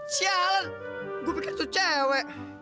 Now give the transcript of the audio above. sialan gua pikir itu cewek